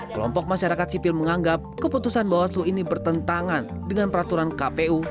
kelompok masyarakat sipil menganggap keputusan bawaslu ini bertentangan dengan peraturan kpu